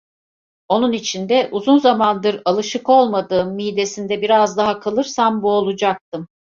Onun içinde, uzun zamandır alışık olmadığım midesinde biraz daha kalırsam boğulacaktım.